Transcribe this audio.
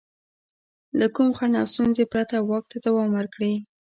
له کوم خنډ او ستونزې پرته واک ته دوام ورکړي.